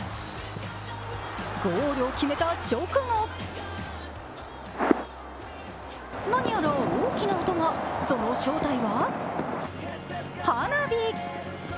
ゴールを決めた直後何やら大きな音が、その正体は花火！